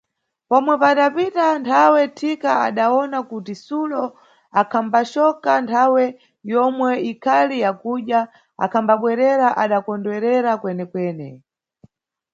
Pomwe padapita nthawe, thika adawona kuti sulo akhambacoka nthawe yomwe ikhali ya kudya, akhambabwerera adakondererwa kwenekwene.